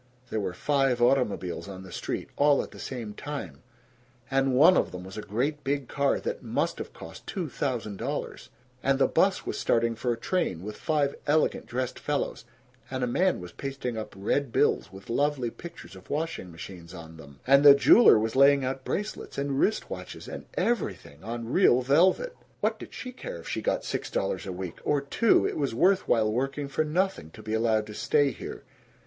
There were five automobiles on the street all at the same time and one of 'em was a great big car that must of cost two thousand dollars and the 'bus was starting for a train with five elegant dressed fellows, and a man was pasting up red bills with lovely pictures of washing machines on them, and the jeweler was laying out bracelets and wrist watches and EVERYTHING on real velvet. What did she care if she got six dollars a week? Or two! It was worth while working for nothing, to be allowed to stay here.